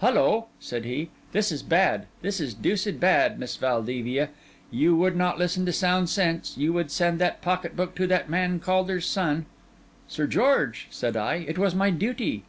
'Hullo!' said he, 'this is bad; this is deuced bad, Miss Valdevia. You would not listen to sound sense, you would send that pocket book to that man Caulder's son.' 'Sir George,' said I, 'it was my duty.